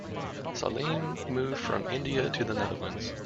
Salim moved from India to the Netherlands.